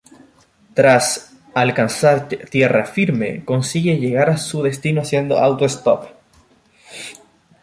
Tras alcanzar tierra firme, consigue llegar a su destino haciendo autostop.